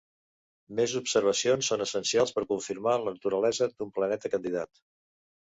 Més observacions són essencials per confirmar la naturalesa d'un planeta candidat.